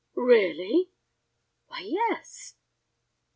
"Really?" "Why, yes."